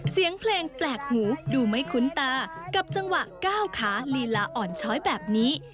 เสียงเพลงแปลกหูดูไม่คุ้นตากับจังหวะก้าวขาลีลาอ่อนช้อยแบบนี้